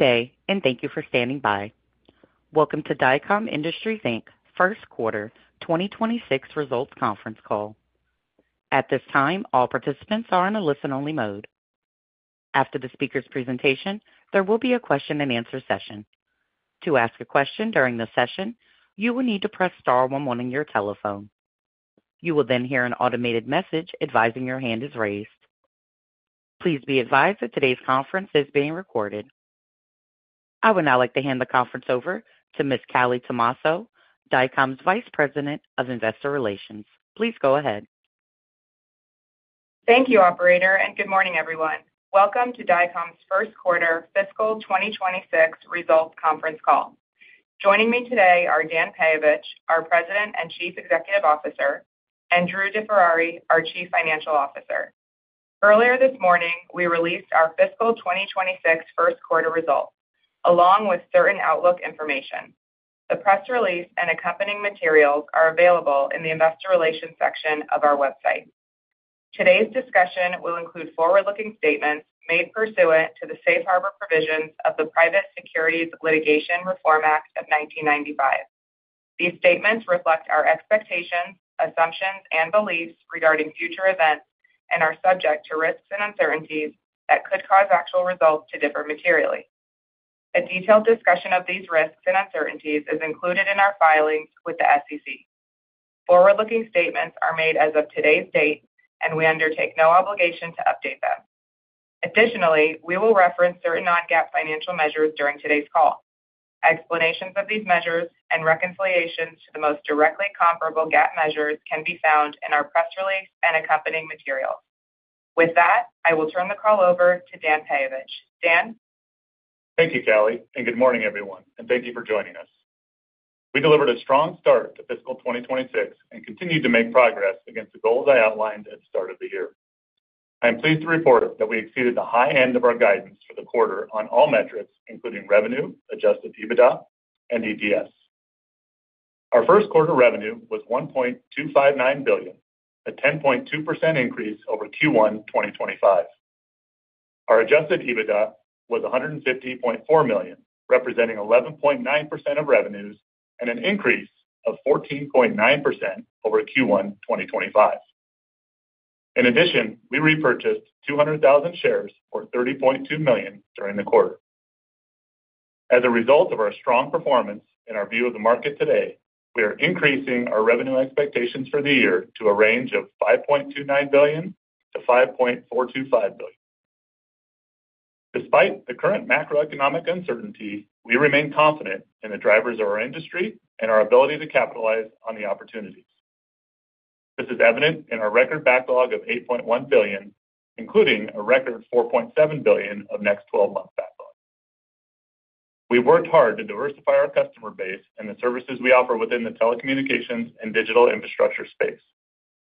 Good day, and thank you for standing by. Welcome to Dycom Industries first quarter 2026 results conference call. At this time, all participants are in a listen-only mode. After the speaker's presentation, there will be a question-and-answer session. To ask a question during the session, you will need to press star when wanting your telephone. You will then hear an automated message advising your hand is raised. Please be advised that today's conference is being recorded. I would now like to hand the conference over to Ms. Callie Tomasso, Dycom's Vice President of Investor Relations. Please go ahead. Thank you, Operator, and good morning, everyone. Welcome to Dycom's first quarter fiscal 2026 results conference call. Joining me today are Dan Peyovich, our President and Chief Executive Officer, and Drew DeFerrari, our Chief Financial Officer. Earlier this morning, we released our fiscal 2026 first quarter results, along with certain outlook information. The press release and accompanying materials are available in the Investor Relations section of our website. Today's discussion will include forward-looking statements made pursuant to the safe harbor provisions of the Private Securities Litigation Reform Act of 1995. These statements reflect our expectations, assumptions, and beliefs regarding future events and are subject to risks and uncertainties that could cause actual results to differ materially. A detailed discussion of these risks and uncertainties is included in our filings with the SEC. Forward-looking statements are made as of today's date, and we undertake no obligation to update them. Additionally, we will reference certain non-GAAP financial measures during today's call. Explanations of these measures and reconciliations to the most directly comparable GAAP measures can be found in our press release and accompanying materials. With that, I will turn the call over to Dan Peyovich. Dan? Thank you, Callie, and good morning, everyone, and thank you for joining us. We delivered a strong start to fiscal 2026 and continued to make progress against the goals I outlined at the start of the year. I am pleased to report that we exceeded the high end of our guidance for the quarter on all metrics, including revenue, adjusted EBITDA, and EPS. Our first quarter revenue was $1.259 billion, a 10.2% increase over Q1 2025. Our adjusted EBITDA was $150.4 million, representing 11.9% of revenues and an increase of 14.9% over Q1 2025. In addition, we repurchased 200,000 shares for $30.2 million during the quarter. As a result of our strong performance and our view of the market today, we are increasing our revenue expectations for the year to a range of $5.29 billion-$5.425 billion. Despite the current macroeconomic uncertainty, we remain confident in the drivers of our industry and our ability to capitalize on the opportunities. This is evident in our record backlog of $8.1 billion, including a record $4.7 billion of next 12-month backlog. We've worked hard to diversify our customer base and the services we offer within the telecommunications and digital infrastructure space.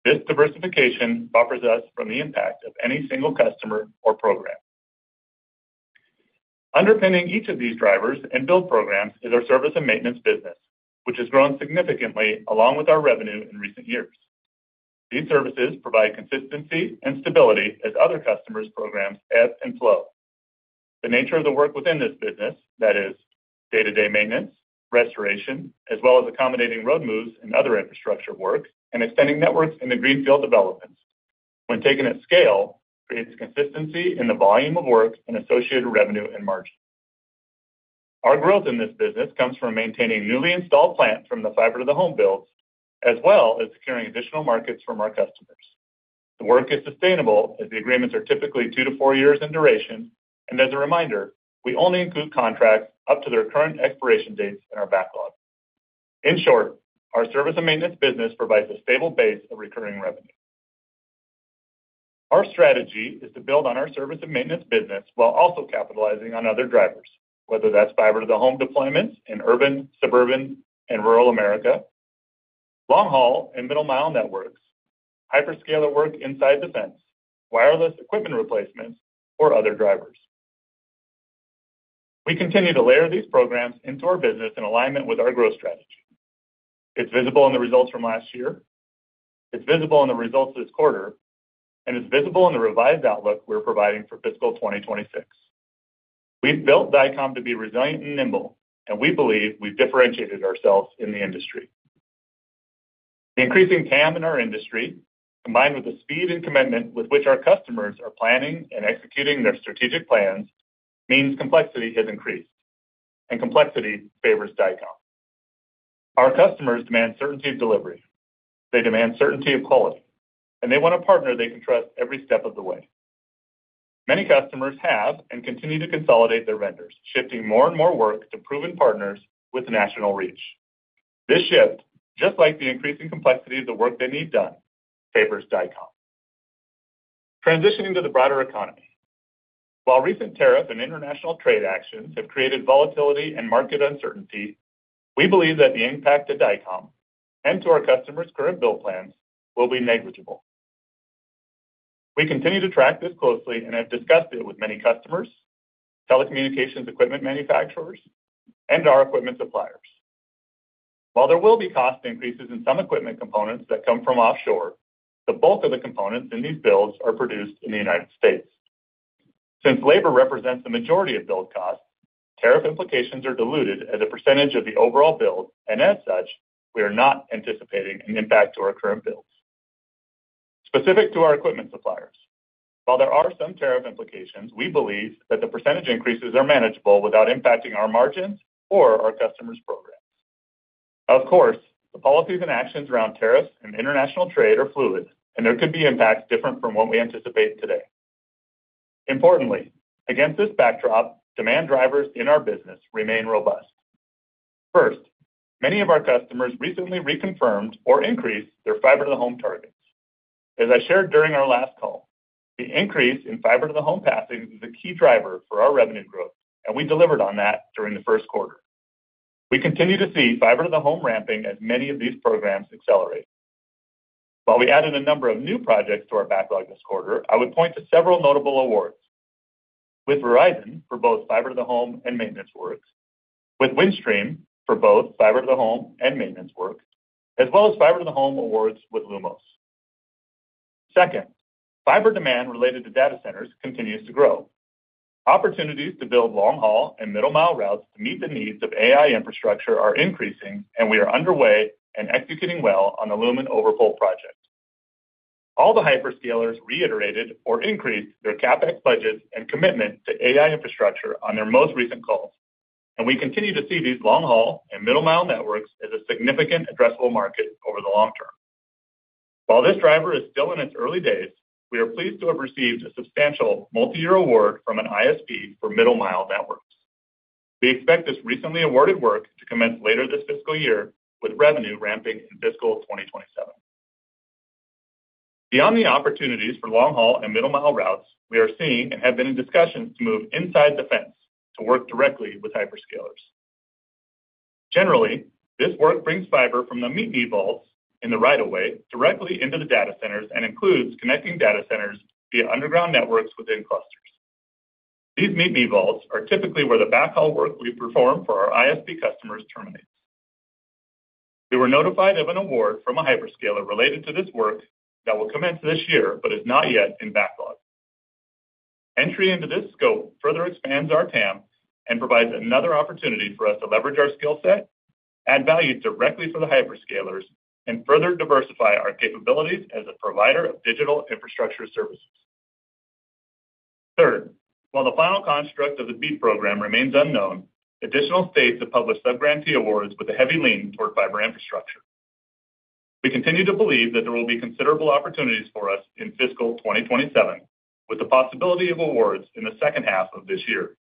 This diversification buffers us from the impact of any single customer or program. Underpinning each of these drivers and build programs is our service and maintenance business, which has grown significantly along with our revenue in recent years. These services provide consistency and stability as other customers' programs ebb and flow. The nature of the work within this business, that is, day-to-day maintenance, restoration, as well as accommodating road moves and other infrastructure work, and extending networks into greenfield developments, when taken at scale, creates consistency in the volume of work and associated revenue and margin. Our growth in this business comes from maintaining newly installed plants from the fiber-to-the-home builds, as well as securing additional markets from our customers. The work is sustainable as the agreements are typically two to four years in duration, and as a reminder, we only include contracts up to their current expiration dates in our backlog. In short, our service and maintenance business provides a stable base of recurring revenue. Our strategy is to build on our service and maintenance business while also capitalizing on other drivers, whether that's fiber-to-the-home deployments in urban, suburban, and rural America, long-haul and middle-mile networks, hyperscaler work inside the fence, wireless equipment replacements, or other drivers. We continue to layer these programs into our business in alignment with our growth strategy. It's visible in the results from last year. It's visible in the results this quarter, and it's visible in the revised outlook we're providing for Fiscal 2026. We've built Dycom to be resilient and nimble, and we believe we've differentiated ourselves in the industry. The increasing TAM in our industry, combined with the speed and commitment with which our customers are planning and executing their strategic plans, means complexity has increased, and complexity favors Dycom. Our customers demand certainty of delivery. They demand certainty of quality, and they want a partner they can trust every step of the way. Many customers have and continue to consolidate their vendors, shifting more and more work to proven partners with national reach. This shift, just like the increasing complexity of the work they need done, favors Dycom. Transitioning to the broader economy. While recent tariff and international trade actions have created volatility and market uncertainty, we believe that the impact to Dycom and to our customers' current build plans will be negligible. We continue to track this closely and have discussed it with many customers, telecommunications equipment manufacturers, and our equipment suppliers. While there will be cost increases in some equipment components that come from offshore, the bulk of the components in these builds are produced in the United States. Since labor represents the majority of build costs, tariff implications are diluted as a percentage of the overall build, and as such, we are not anticipating an impact to our current builds. Specific to our equipment suppliers, while there are some tariff implications, we believe that the percentage increases are manageable without impacting our margins or our customers' programs. Of course, the policies and actions around tariffs and international trade are fluid, and there could be impacts different from what we anticipate today. Importantly, against this backdrop, demand drivers in our business remain robust. First, many of our customers recently reconfirmed or increased their fiber-to-the-home targets. As I shared during our last call, the increase in fiber-to-the-home passings is a key driver for our revenue growth, and we delivered on that during the first quarter. We continue to see fiber-to-the-home ramping as many of these programs accelerate. While we added a number of new projects to our backlog this quarter, I would point to several notable awards, with Verizon for both fiber-to-the-home and maintenance work, with Windstream for both fiber-to-the-home and maintenance work, as well as fiber-to-the-home awards with Lumos. Second, fiber demand related to data centers continues to grow. Opportunities to build long-haul and middle-mile routes to meet the needs of AI infrastructure are increasing, and we are underway and executing well on the Lumen overpull project. All the hyperscalers reiterated or increased their CapEx budgets and commitment to AI infrastructure on their most recent calls, and we continue to see these long-haul and middle-mile networks as a significant addressable market over the long term. While this driver is still in its early days, we are pleased to have received a substantial multi-year award from an ISP for middle-mile networks. We expect this recently awarded work to commence later this fiscal year, with revenue ramping in fiscal 2027. Beyond the opportunities for long-haul and middle-mile routes, we are seeing and have been in discussions to move inside the fence to work directly with hyperscalers. Generally, this work brings fiber from the meet-me vaults in the right-of-way directly into the data centers and includes connecting data centers via underground networks within clusters. These meet-me vaults are typically where the backhaul work we perform for our ISP customers terminates. We were notified of an award from a hyperscaler related to this work that will commence this year but is not yet in backlog. Entry into this scope further expands our TAM and provides another opportunity for us to leverage our skill set, add value directly for the hyperscalers, and further diversify our capabilities as a provider of digital infrastructure services. Third, while the final construct of the BEAD program remains unknown, additional states have published subgrantee awards with a heavy lean toward fiber infrastructure. We continue to believe that there will be considerable opportunities for us in fiscal 2027, with the possibility of awards in the second half of this year.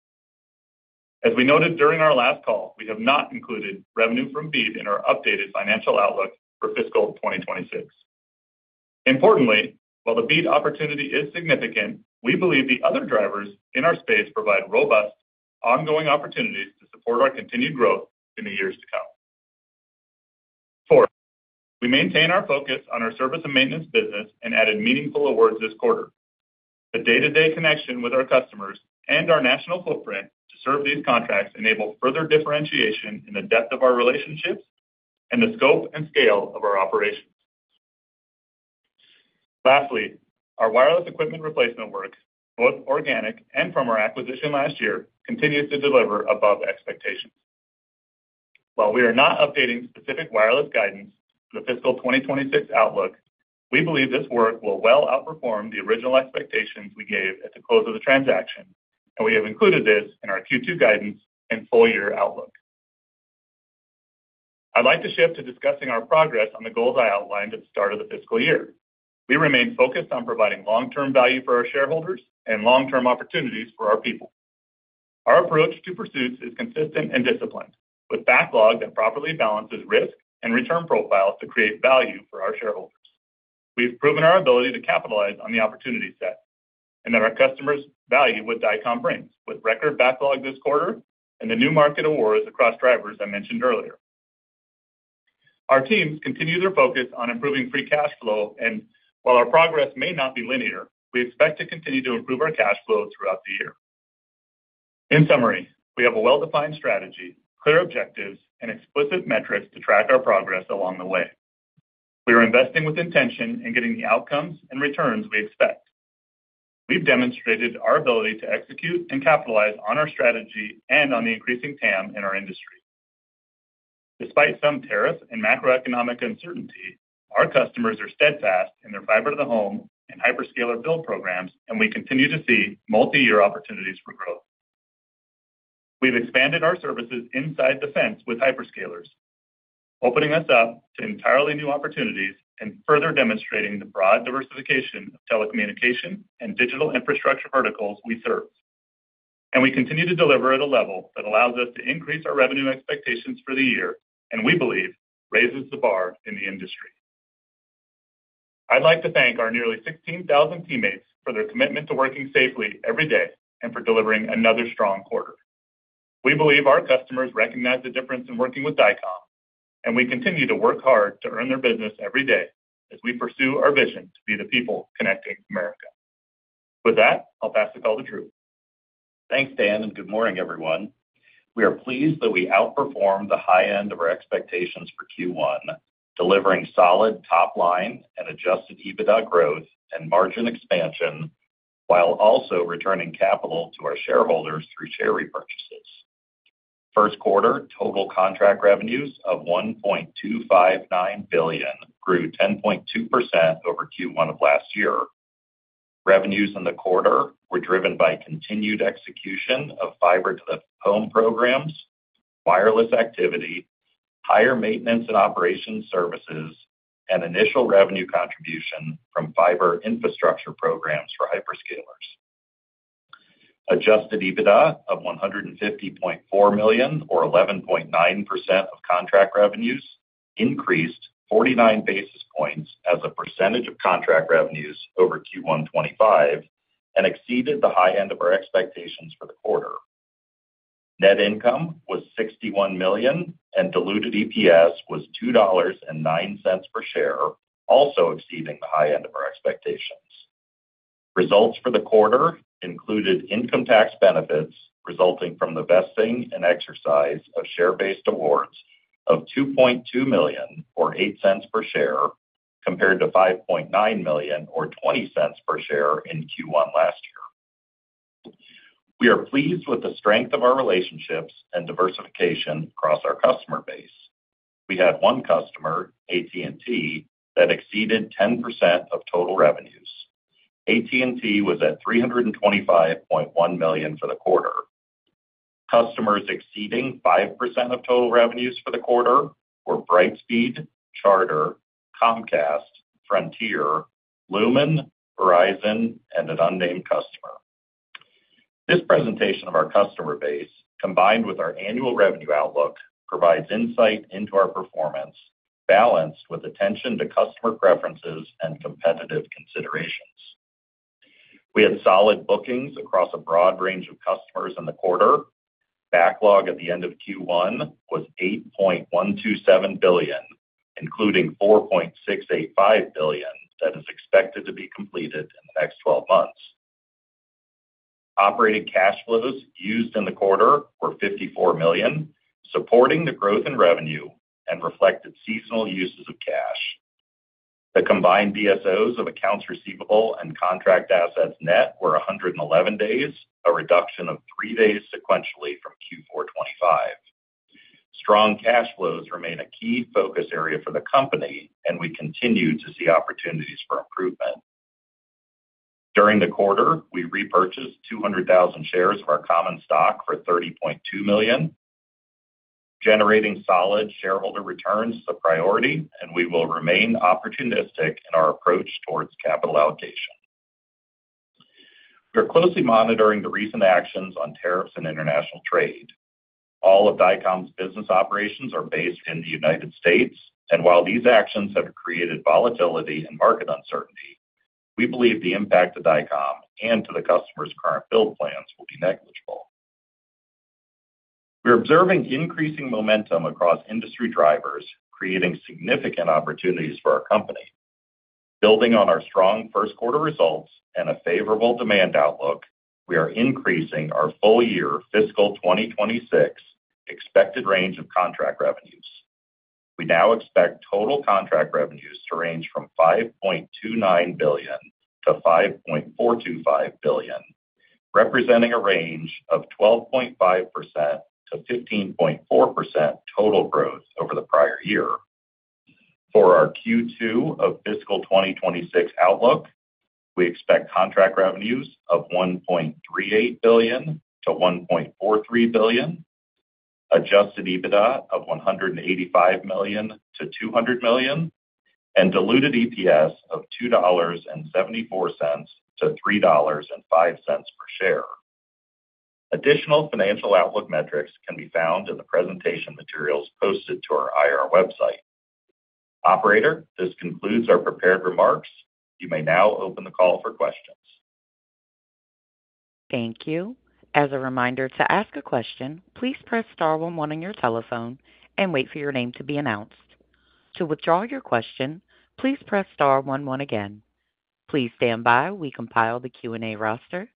As we noted during our last call, we have not included revenue from BEAD in our updated financial outlook for fiscal 2026. Importantly, while the BEAD opportunity is significant, we believe the other drivers in our space provide robust, ongoing opportunities to support our continued growth in the years to come. Fourth, we maintain our focus on our service and maintenance business and added meaningful awards this quarter. The day-to-day connection with our customers and our national footprint to serve these contracts enables further differentiation in the depth of our relationships and the scope and scale of our operations. Lastly, our wireless equipment replacement work, both organic and from our acquisition last year, continues to deliver above expectations. While we are not updating specific wireless guidance for the fiscal 2026 outlook, we believe this work will well outperform the original expectations we gave at the close of the transaction, and we have included this in our Q2 guidance and full-year outlook. I'd like to shift to discussing our progress on the goals I outlined at the start of the fiscal year. We remain focused on providing long-term value for our shareholders and long-term opportunities for our people. Our approach to pursuits is consistent and disciplined, with backlog that properly balances risk and return profile to create value for our shareholders. We've proven our ability to capitalize on the opportunity set and that our customers' value with Dycom brings, with record backlog this quarter and the new market awards across drivers I mentioned earlier. Our teams continue their focus on improving free cash flow, and while our progress may not be linear, we expect to continue to improve our cash flow throughout the year. In summary, we have a well-defined strategy, clear objectives, and explicit metrics to track our progress along the way. We are investing with intention and getting the outcomes and returns we expect. We've demonstrated our ability to execute and capitalize on our strategy and on the increasing TAM in our industry. Despite some tariff and macroeconomic uncertainty, our customers are steadfast in their fiber-to-the-home and hyperscaler build programs, and we continue to see multi-year opportunities for growth. We've expanded our services inside the fence with hyperscalers, opening us up to entirely new opportunities and further demonstrating the broad diversification of telecommunication and digital infrastructure verticals we serve. We continue to deliver at a level that allows us to increase our revenue expectations for the year, and we believe raises the bar in the industry. I'd like to thank our nearly 16,000 teammates for their commitment to working safely every day and for delivering another strong quarter. We believe our customers recognize the difference in working with Dycom, and we continue to work hard to earn their business every day as we pursue our vision to be the people connecting America. With that, I'll pass the call to Drew. Thanks, Dan, and good morning, everyone. We are pleased that we outperformed the high end of our expectations for Q1, delivering solid top-line and adjusted EBITDA growth and margin expansion while also returning capital to our shareholders through share repurchases. First quarter total contract revenues of $1.259 billion grew 10.2% over Q1 of last year. Revenues in the quarter were driven by continued execution of fiber-to-the-home programs, wireless activity, higher maintenance and operation services, and initial revenue contribution from fiber infrastructure programs for hyperscalers. Adjusted EBITDA of $150.4 million, or 11.9% of contract revenues, increased 49 basis points as a percentage of contract revenues over Q1 2025 and exceeded the high end of our expectations for the quarter. Net income was $61 million, and diluted EPS was $2.09 per share, also exceeding the high end of our expectations. Results for the quarter included income tax benefits resulting from the vesting and exercise of share-based awards of $2.2 million, or $0.08 per share, compared to $5.9 million, or $0.20 per share in Q1 last year. We are pleased with the strength of our relationships and diversification across our customer base. We had one customer, AT&T, that exceeded 10% of total revenues. AT&T was at $325.1 million for the quarter. Customers exceeding 5% of total revenues for the quarter were Brightspeed, Charter, Comcast, Frontier, Lumen, Verizon, and an unnamed customer. This presentation of our customer base, combined with our annual revenue outlook, provides insight into our performance, balanced with attention to customer preferences and competitive considerations. We had solid bookings across a broad range of customers in the quarter. Backlog at the end of Q1 was $8.127 billion, including $4.685 billion that is expected to be completed in the next 12 months. Operating cash flows used in the quarter were $54 million, supporting the growth in revenue and reflected seasonal uses of cash. The combined BSOs of accounts receivable and contract assets net were 111 days, a reduction of three days sequentially from Q4 2025. Strong cash flows remain a key focus area for the company, and we continue to see opportunities for improvement. During the quarter, we repurchased 200,000 shares of our common stock for $30.2 million, generating solid shareholder returns as a priority, and we will remain opportunistic in our approach towards capital allocation. We are closely monitoring the recent actions on tariffs and international trade. All of Dycom's business operations are based in the United States, and while these actions have created volatility and market uncertainty, we believe the impact to Dycom and to the customers' current build plans will be negligible. We're observing increasing momentum across industry drivers, creating significant opportunities for our company. Building on our strong first quarter results and a favorable demand outlook, we are increasing our full-year fiscal 2026 expected range of contract revenues. We now expect total contract revenues to range from $5.29 billion-$5.425 billion, representing a range of 12.5%-15.4% total growth over the prior year. For our Q2 of fiscal 2026 outlook, we expect contract revenues of $1.38 billion-$1.43 billion, adjusted EBITDA of $185 million-$200 million, and diluted EPS of $2.74-$3.05 per share. Additional financial outlook metrics can be found in the presentation materials posted to our IR website. Operator, this concludes our prepared remarks. You may now open the call for questions. Thank you. As a reminder, to ask a question, please press star one one on your telephone and wait for your name to be announced. To withdraw your question, please press star one one again. Please stand by while we compile the Q&A roster.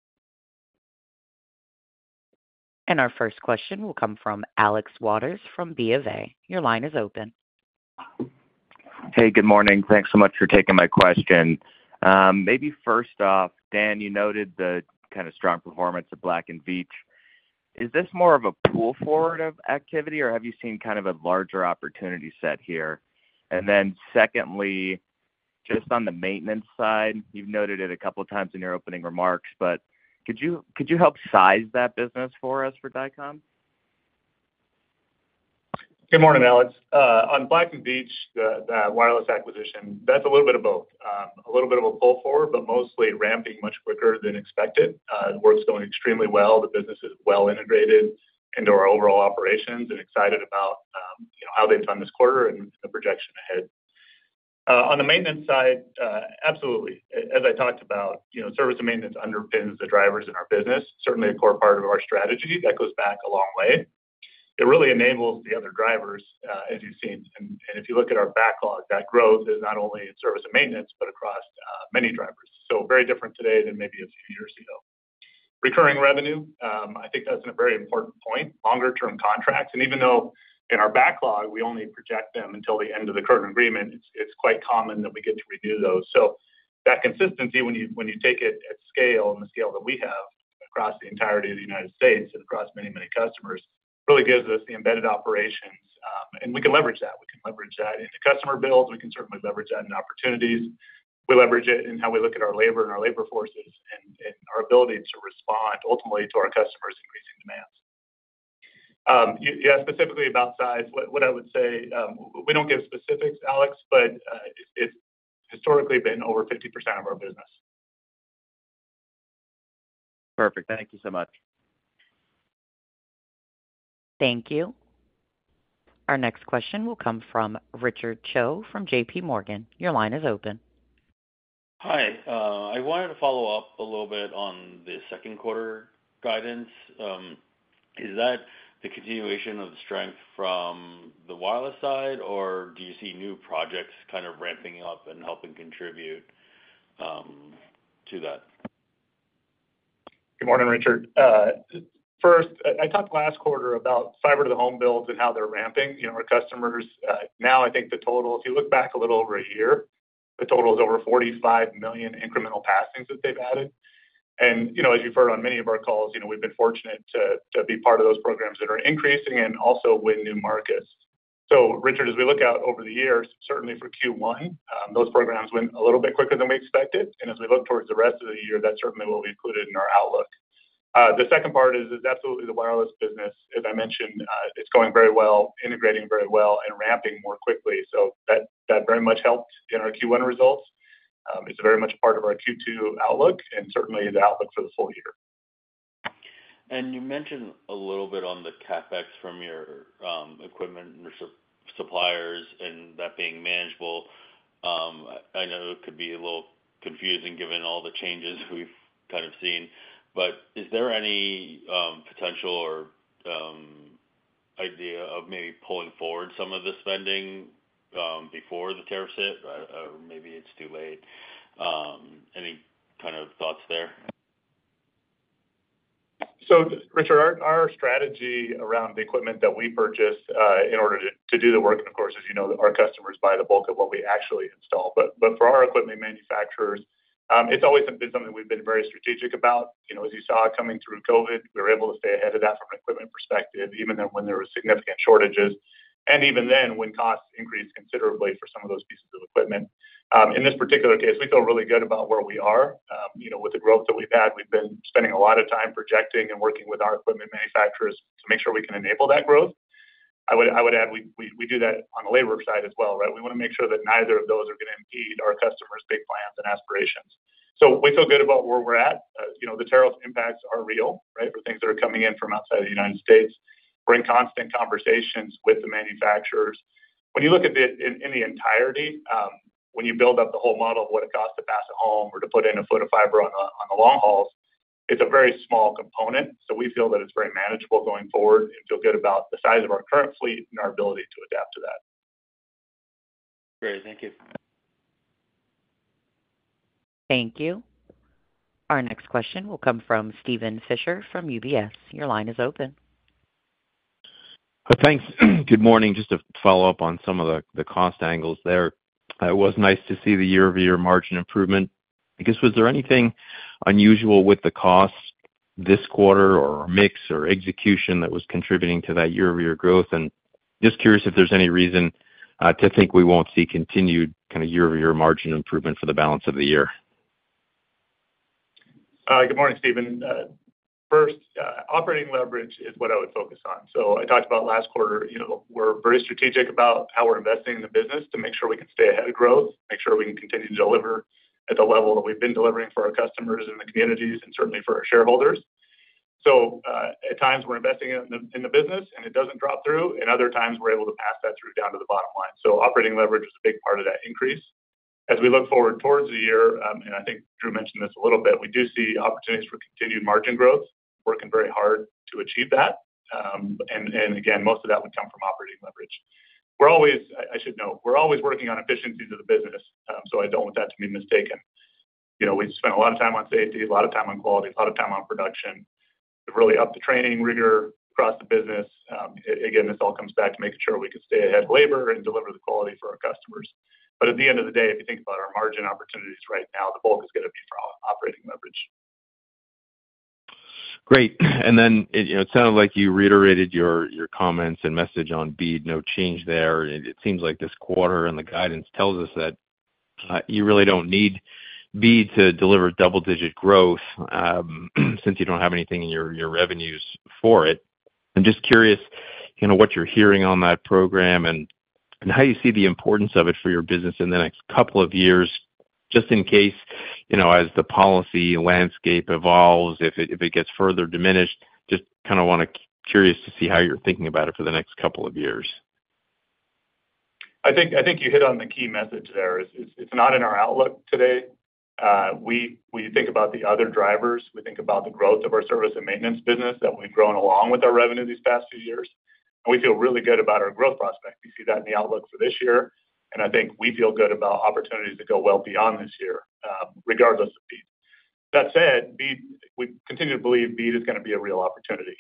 Our first question will come from Alex Waters from BofA. Your line is open. Hey, good morning. Thanks so much for taking my question. Maybe first off, Dan, you noted the kind of strong performance of Black & Veatch. Is this more of a pull-forward activity, or have you seen kind of a larger opportunity set here? Then secondly, just on the maintenance side, you've noted it a couple of times in your opening remarks, but could you help size that business for us for Dycom? Good morning, Alex. On Black & Veatch, the wireless acquisition, that's a little bit of both. A little bit of a pull-forward, but mostly ramping much quicker than expected. The work's going extremely well. The business is well-integrated into our overall operations and excited about how they've done this quarter and the projection ahead. On the maintenance side, absolutely. As I talked about, service and maintenance underpins the drivers in our business. Certainly, a core part of our strategy that goes back a long way. It really enables the other drivers, as you've seen. If you look at our backlog, that growth is not only in service and maintenance, but across many drivers. Very different today than maybe a few years ago. Recurring revenue, I think that's a very important point. Longer-term contracts. Even though in our backlog, we only project them until the end of the current agreement, it's quite common that we get to renew those. That consistency, when you take it at scale and the scale that we have across the entirety of the United States and across many, many customers, really gives us the embedded operations. We can leverage that. We can leverage that in the customer builds. We can certainly leverage that in opportunities. We leverage it in how we look at our labor and our labor forces and our ability to respond ultimately to our customers' increasing demands. Yeah, specifically about size, what I would say, we don't give specifics, Alex, but it's historically been over 50% of our business. Perfect. Thank you so much. Thank you. Our next question will come from Richard Choe from JPMorgan. Your line is open. Hi. I wanted to follow up a little bit on the second quarter guidance. Is that the continuation of the strength from the wireless side, or do you see new projects kind of ramping up and helping contribute to that? Good morning, Richard. First, I talked last quarter about fiber-to-the-home builds and how they're ramping. Our customers now, I think the total, if you look back a little over a year, the total is over 45 million incremental passings that they've added. As you've heard on many of our calls, we've been fortunate to be part of those programs that are increasing and also win new markets. Richard, as we look out over the years, certainly for Q1, those programs went a little bit quicker than we expected. As we look towards the rest of the year, that's certainly what we included in our outlook. The second part is absolutely the wireless business. As I mentioned, it's going very well, integrating very well, and ramping more quickly. That very much helped in our Q1 results. It's very much a part of our Q2 outlook and certainly the outlook for the full year. You mentioned a little bit on the CapEx from your equipment suppliers and that being manageable. I know it could be a little confusing given all the changes we've kind of seen. Is there any potential or idea of maybe pulling forward some of the spending before the tariffs hit? Maybe it's too late. Any kind of thoughts there? Richard, our strategy around the equipment that we purchase in order to do the work, and of course, as you know, our customers buy the bulk of what we actually install. For our equipment manufacturers, it's always been something we've been very strategic about. As you saw coming through COVID, we were able to stay ahead of that from an equipment perspective, even when there were significant shortages. Even then, when costs increased considerably for some of those pieces of equipment, in this particular case, we feel really good about where we are. With the growth that we've had, we've been spending a lot of time projecting and working with our equipment manufacturers to make sure we can enable that growth. I would add we do that on the labor side as well, right? We want to make sure that neither of those are going to impede our customers' big plans and aspirations. We feel good about where we're at. The tariff impacts are real, right? For things that are coming in from outside of the United States. We're in constant conversations with the manufacturers. When you look at it in the entirety, when you build up the whole model of what it costs to pass a home or to put in a foot of fiber on the long hauls, it's a very small component. We feel that it's very manageable going forward and feel good about the size of our current fleet and our ability to adapt to that. Great. Thank you. Thank you. Our next question will come from Steven Fisher from UBS. Your line is open. Thanks. Good morning. Just to follow up on some of the cost angles there. It was nice to see the year-over-year margin improvement. I guess, was there anything unusual with the cost this quarter or mix or execution that was contributing to that year-over-year growth? I am just curious if there is any reason to think we will not see continued kind of year-over-year margin improvement for the balance of the year. Good morning, Steven. First, operating leverage is what I would focus on. I talked about last quarter. We are very strategic about how we are investing in the business to make sure we can stay ahead of growth, make sure we can continue to deliver at the level that we have been delivering for our customers and the communities and certainly for our shareholders. At times, we are investing in the business, and it does not drop through. Other times, we're able to pass that through down to the bottom line. Operating leverage is a big part of that increase. As we look forward towards the year, and I think Drew mentioned this a little bit, we do see opportunities for continued margin growth. We're working very hard to achieve that. Again, most of that would come from operating leverage. I should note, we're always working on efficiencies of the business, so I don't want that to be mistaken. We spend a lot of time on safety, a lot of time on quality, a lot of time on production. We've really upped the training rigor across the business. Again, this all comes back to making sure we can stay ahead of labor and deliver the quality for our customers. At the end of the day, if you think about our margin opportunities right now, the bulk is going to be from operating leverage. Great. It sounded like you reiterated your comments and message on BEAD. No change there. It seems like this quarter and the guidance tells us that you really do not need BEAD to deliver double-digit growth since you do not have anything in your revenues for it. I am just curious what you are hearing on that program and how you see the importance of it for your business in the next couple of years, just in case as the policy landscape evolves, if it gets further diminished. I just kind of want to be curious to see how you are thinking about it for the next couple of years. I think you hit on the key message there. It is not in our outlook today. We think about the other drivers. We think about the growth of our service and maintenance business that we've grown along with our revenue these past few years. We feel really good about our growth prospect. We see that in the outlook for this year. I think we feel good about opportunities that go well beyond this year, regardless of BEAD. That said, we continue to believe BEAD is going to be a real opportunity.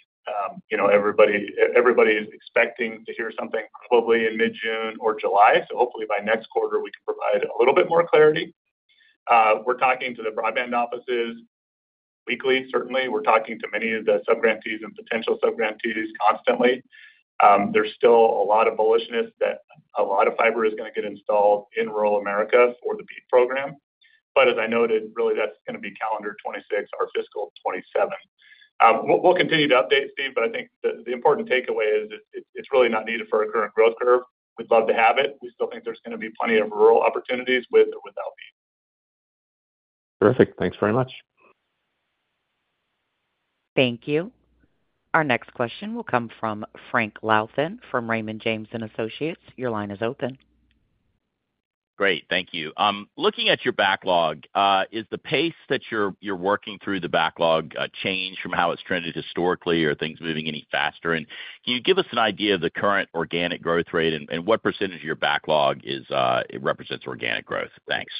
Everybody is expecting to hear something probably in mid-June or July. Hopefully, by next quarter, we can provide a little bit more clarity. We're talking to the broadband offices weekly, certainly. We're talking to many of the subgrantees and potential subgrantees constantly. There's still a lot of bullishness that a lot of fiber is going to get installed in rural America for the BEAD program. But as I noted, really, that's going to be calendar 2026, our fiscal 2027. We'll continue to update, Steve, but I think the important takeaway is it's really not needed for our current growth curve. We'd love to have it. We still think there's going to be plenty of rural opportunities with or without BEAD. Terrific. Thanks very much. Thank you. Our next question will come from Frank Louthan from Raymond James & Associates. Your line is open. Great. Thank you. Looking at your backlog, is the pace that you're working through the backlog changed from how it's trended historically, or are things moving any faster? And can you give us an idea of the current organic growth rate and what percentage of your backlog represents organic growth? Thanks.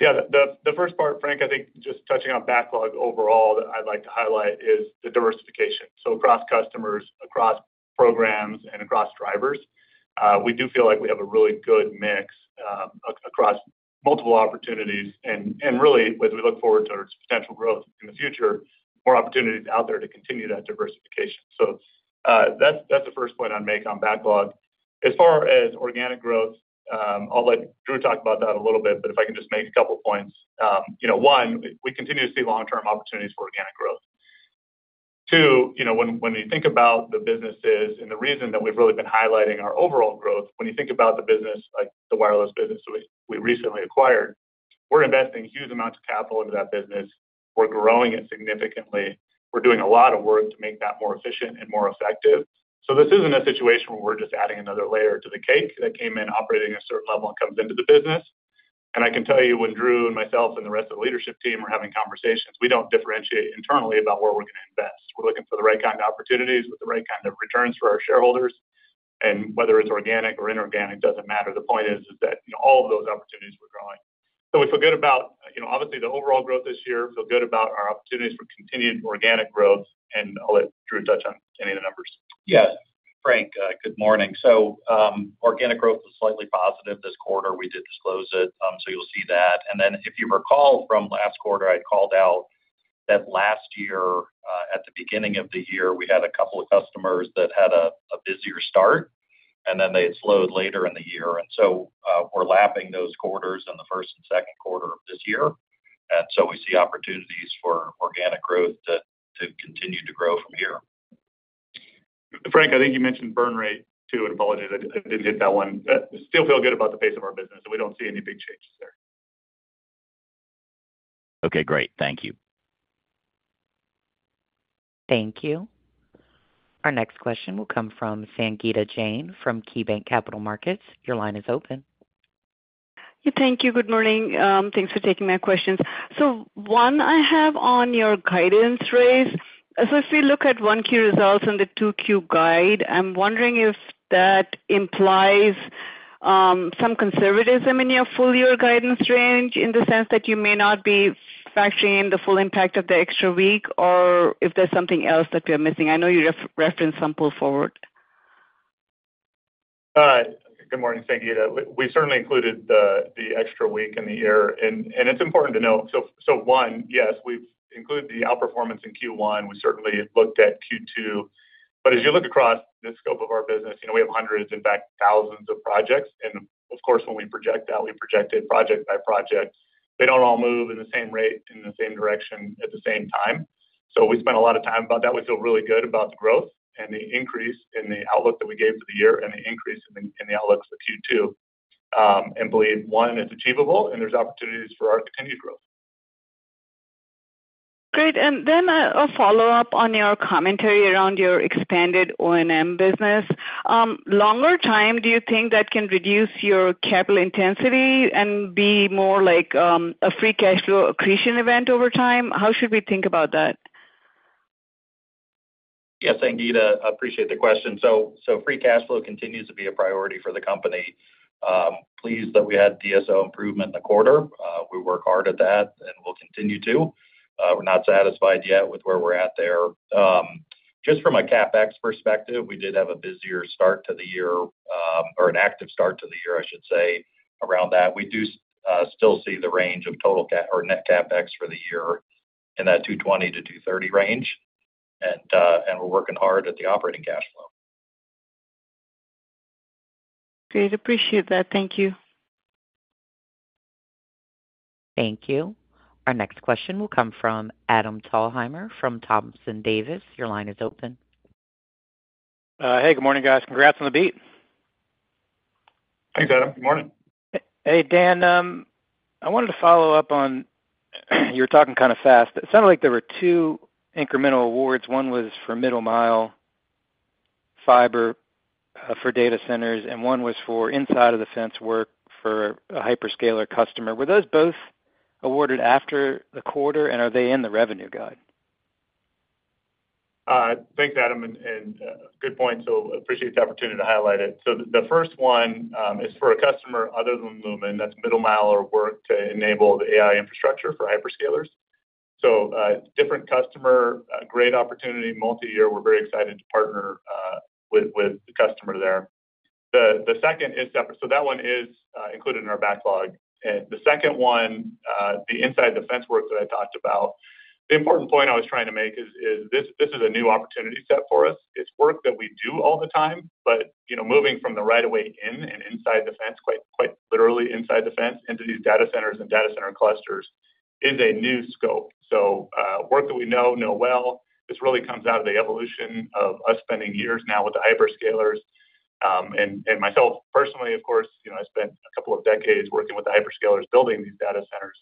Yeah. The first part, Frank, I think just touching on backlog overall that I'd like to highlight is the diversification. Across customers, across programs, and across drivers, we do feel like we have a really good mix across multiple opportunities. Really, as we look forward to potential growth in the future, more opportunities are out there to continue that diversification. That is the first point I would make on backlog. As far as organic growth, I will let Drew talk about that a little bit, but if I can just make a couple of points. One, we continue to see long-term opportunities for organic growth. Two, when we think about the businesses and the reason that we have really been highlighting our overall growth, when you think about the business, like the wireless business we recently acquired, we are investing huge amounts of capital into that business. We are growing it significantly. We are doing a lot of work to make that more efficient and more effective. This isn't a situation where we're just adding another layer to the cake that came in operating at a certain level and comes into the business. I can tell you when Drew and myself and the rest of the leadership team are having conversations, we don't differentiate internally about where we're going to invest. We're looking for the right kind of opportunities with the right kind of returns for our shareholders. Whether it's organic or inorganic doesn't matter. The point is that all of those opportunities we're growing. We feel good about, obviously, the overall growth this year. We feel good about our opportunities for continued organic growth. I'll let Drew touch on any of the numbers. Yes. Frank, good morning. Organic growth was slightly positive this quarter. We did disclose it. You'll see that. If you recall from last quarter, I had called out that last year, at the beginning of the year, we had a couple of customers that had a busier start, and then they had slowed later in the year. We are lapping those quarters in the first and second quarter of this year. We see opportunities for organic growth to continue to grow from here. Frank, I think you mentioned burn rate, too. I apologize. I did not hit that one. Still feel good about the pace of our business. We do not see any big changes there. Okay. Great. Thank you. Thank you. Our next question will come from Sangita Jain from KeyBanc Capital Markets. Your line is open. Thank you. Good morning. Thanks for taking my questions. One, I have on your guidance raise. If we look at one-queue results and the two-queue guide, I'm wondering if that implies some conservatism in your full-year guidance range in the sense that you may not be factoring in the full impact of the extra week or if there's something else that we are missing. I know you referenced some pull forward. Good morning, Sangita. We certainly included the extra week in the year. It's important to note. Yes, we've included the outperformance in Q1. We certainly looked at Q2. As you look across the scope of our business, we have hundreds, in fact, thousands of projects. When we project that, we project it project by project. They don't all move at the same rate in the same direction at the same time. We spent a lot of time about that. We feel really good about the growth and the increase in the outlook that we gave for the year and the increase in the outlook for Q2. We believe, one, it's achievable, and there's opportunities for our continued growth. Great. A follow-up on your commentary around your expanded O&M business. Longer time, do you think that can reduce your capital intensity and be more like a free cash flow accretion event over time? How should we think about that? Yes, Sangita. I appreciate the question. Free cash flow continues to be a priority for the company. Pleased that we had DSO improvement in the quarter. We work hard at that, and we'll continue to. We're not satisfied yet with where we're at there. Just from a CapEx perspective, we did have a busier start to the year or an active start to the year, I should say, around that. We do still see the range of total or net CapEx for the year in that $220 million-$230 million range. We are working hard at the operating cash flow. Great. Appreciate that. Thank you. Thank you. Our next question will come from Adam Thalhimer from Thompson Davis. Your line is open. Hey, good morning, guys. Congrats on the beat. Thanks, Adam. Good morning. Hey, Dan. I wanted to follow up on you were talking kind of fast. It sounded like there were two incremental awards. One was for middle-mile fiber for data centers, and one was for inside-of-the-fence work for a hyperscaler customer. Were those both awarded after the quarter, and are they in the revenue guide? Thanks, Adam. Good point. Appreciate the opportunity to highlight it. The first one is for a customer other than Lumen. That is middle-mile or work to enable the AI infrastructure for hyperscalers. Different customer, great opportunity, multi-year. We are very excited to partner with the customer there. The second is separate. That one is included in our backlog. The second one, the inside-the-fence work that I talked about, the important point I was trying to make is this is a new opportunity set for us. It is work that we do all the time, but moving from the right-of-way in and inside the fence, quite literally inside the fence into these data centers and data center clusters, is a new scope. Work that we know, know well. This really comes out of the evolution of us spending years now with the hyperscalers. Myself, personally, of course, I spent a couple of decades working with the hyperscalers building these data centers.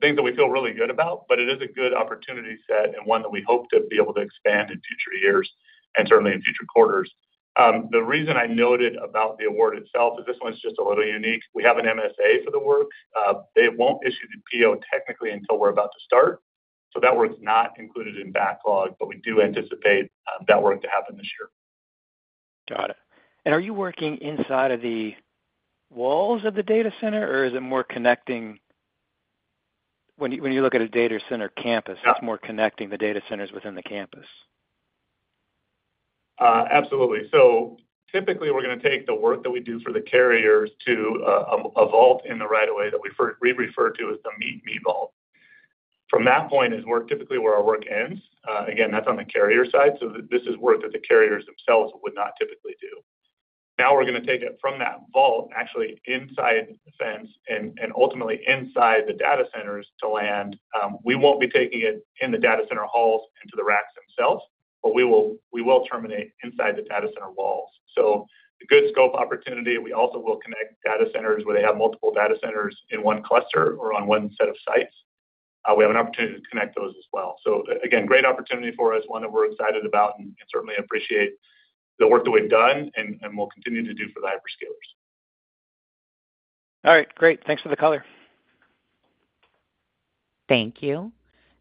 Things that we feel really good about, but it is a good opportunity set and one that we hope to be able to expand in future years and certainly in future quarters. The reason I noted about the award itself is this one's just a little unique. We have an MSA for the work. They will not issue the PO technically until we are about to start. That work is not included in backlog, but we do anticipate that work to happen this year. Got it. Are you working inside of the walls of the data center, or is it more connecting? When you look at a data center campus, it is more connecting the data centers within the campus. Absolutely. Typically, we're going to take the work that we do for the carriers to a vault in the right-of-way that we refer to as the meet-me vault. From that point is typically where our work ends. Again, that's on the carrier side. This is work that the carriers themselves would not typically do. Now we're going to take it from that vault, actually inside the fence and ultimately inside the data centers to land. We won't be taking it in the data center halls into the racks themselves, but we will terminate inside the data center walls. A good scope opportunity. We also will connect data centers where they have multiple data centers in one cluster or on one set of sites. We have an opportunity to connect those as well. So again, great opportunity for us, one that we're excited about and certainly appreciate the work that we've done and will continue to do for the hyperscalers. All right. Great. Thanks for the color. Thank you.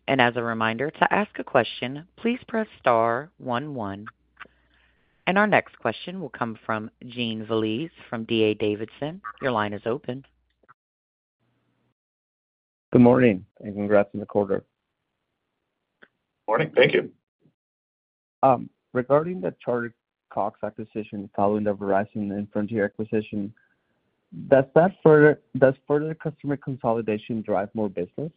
As a reminder to ask a question, please press star one one. Our next question will come from Jean Veliz from D.A. Davidson. Your line is open. Good morning and congrats on the quarter. Morning. Thank you. Regarding the Charter Cox acquisition following the Verizon and Frontier acquisition, does further customer consolidation drive more business?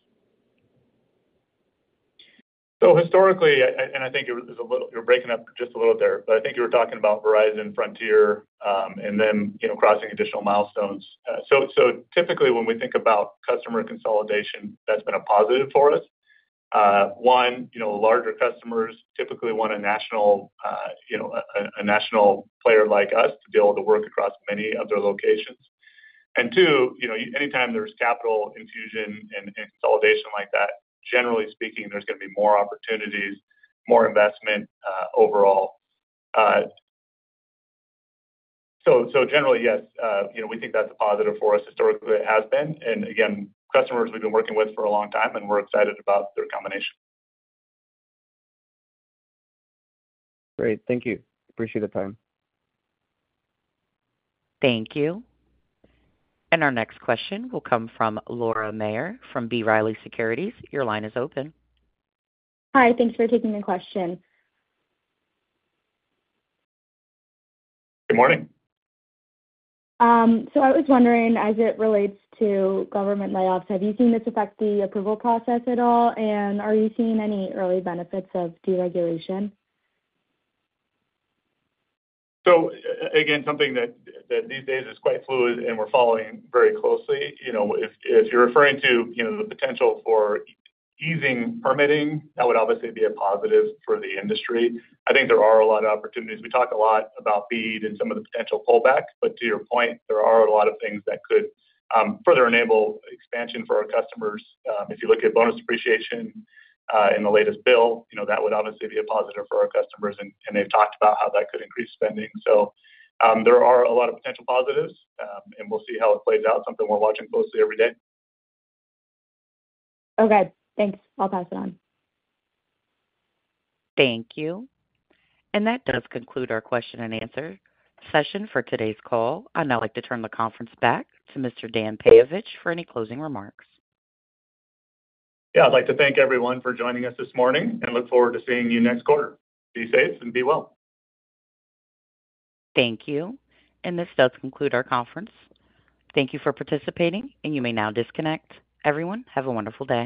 Historically, and I think you're breaking up just a little there, but I think you were talking about Verizon, Frontier, and then crossing additional milestones. Typically, when we think about customer consolidation, that's been a positive for us. One, larger customers typically want a national player like us to be able to work across many of their locations. Two, anytime there is capital infusion and consolidation like that, generally speaking, there is going to be more opportunities, more investment overall. Generally, yes, we think that is a positive for us. Historically, it has been. Again, customers we have been working with for a long time, and we are excited about their combination. Great. Thank you. Appreciate the time. Thank you. Our next question will come from Laura Maher from B. Riley Securities. Your line is open. Hi. Thanks for taking the question. Good morning. I was wondering, as it relates to government layoffs, have you seen this affect the approval process at all? Are you seeing any early benefits of deregulation? Again, something that these days is quite fluid, and we are following very closely. If you're referring to the potential for easing permitting, that would obviously be a positive for the industry. I think there are a lot of opportunities. We talk a lot about BEAD and some of the potential pullback. To your point, there are a lot of things that could further enable expansion for our customers. If you look at bonus depreciation in the latest bill, that would obviously be a positive for our customers. They've talked about how that could increase spending. There are a lot of potential positives, and we'll see how it plays out, something we're watching closely every day. Okay. Thanks. I'll pass it on. Thank you. That does conclude our question and answer session for today's call. I'd like to turn the conference back to Mr. Dan Peyovich for any closing remarks. Yeah. I'd like to thank everyone for joining us this morning and look forward to seeing you next quarter. Be safe and be well. Thank you. This does conclude our conference. Thank you for participating, and you may now disconnect. Everyone, have a wonderful day.